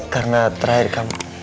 karena terakhir kamu